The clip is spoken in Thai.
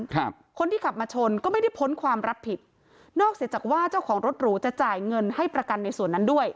ครับคนที่ขับมาชนก็ไม่ได้พ้นความรับผิดนอกจากว่าเจ้าของรถหรูจะจ่ายเงินให้ประกันในส่วนนั้นด้วย